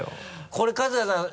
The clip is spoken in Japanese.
これ春日さん